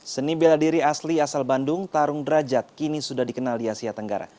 seni bela diri asli asal bandung tarung derajat kini sudah dikenal di asia tenggara